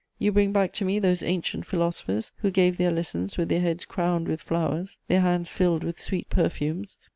You bring back to me those ancient philosophers who gave their lessons with their heads crowned with flowers, their hands filled with sweet perfumes.